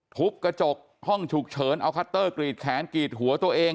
ทุบกระจกห้องฉุกเฉินเอาคัตเตอร์กรีดแขนกรีดหัวตัวเอง